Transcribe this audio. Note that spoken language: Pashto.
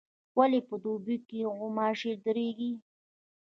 ولي په دوبي کي غوماشي ډیریږي؟